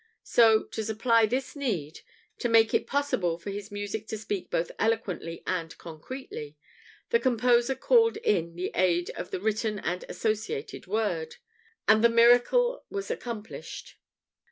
So, to supply this need to make it possible for his music to speak both eloquently and concretely the composer called in the aid of the written and associated word, and the miracle was accomplished.